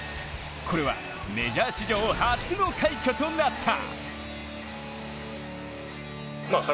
これはメジャー史上初の快挙となった。